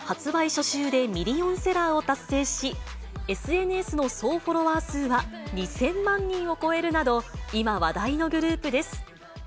初週でミリオンセラーを達成し、ＳＮＳの総フォロワー数は２０００万人を超えるなど、今話題のグループです。